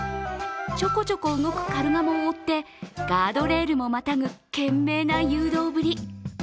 ちょこちょこ動くかるがもを追ってガードレールもまたぐ懸命な誘導ぶり。